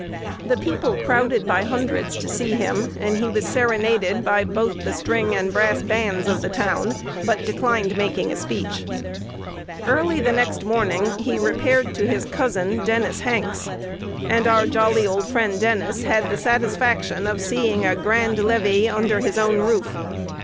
The people crowded by hundreds to see him; and he was serenaded by "both the string and brass bands of the town, but declined making a speech." Early the next morning, he repaired "to his cousin, Dennis Hanks;" and our Jolly old friend Dennis had the satisfaction of seeing a grand levee under his own roof.